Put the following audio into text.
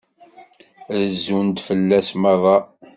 Rezzun-d fell-as merra.